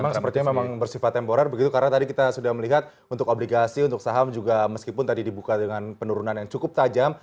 sepertinya memang bersifat temporer begitu karena tadi kita sudah melihat untuk obligasi untuk saham juga meskipun tadi dibuka dengan penurunan yang cukup tajam